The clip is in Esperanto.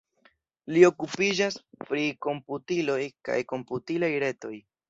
Li okupiĝas pri komputiloj kaj komputilaj retoj.